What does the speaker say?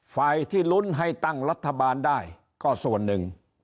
ฝ่ายที่ลุ้นให้ตั้งรัฐบาลได้ก็ส่วนหนึ่ง